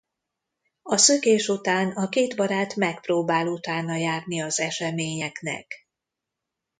A szökés után a két barát megpróbál utána járni az eseményeknek.